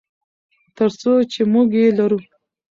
تر څو چې موږ یې لرو.